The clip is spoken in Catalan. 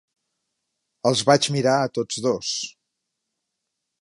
Els vaig mirar a tots dos.